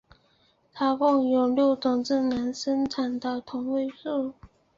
它共有六种自然产生的同位素。